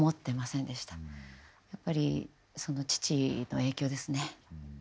やっぱりその父の影響ですね。